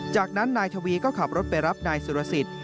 จากนั้นนายทวีก็ขับรถไปรับนายสุรสิทธิ์